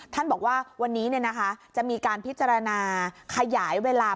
ท่านบอกว่าวันนี้จะมีการพิจารณาขยายเวลา